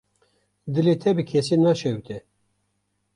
Dilê te bi kesî naşewite.